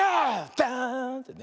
ダーンってね。